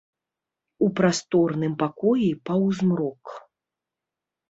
У прасторным пакоі паўзмрок.